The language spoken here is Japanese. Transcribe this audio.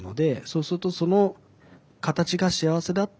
そうするとその形が幸せだと思ってる。